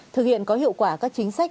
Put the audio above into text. thực hiện có hiệu quả các chính sách